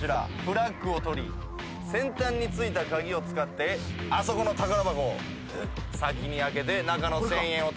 フラッグを取り先端に付いた鍵を使ってあそこの宝箱を先に開けて中の１，０００円をとったチームの勝利だ。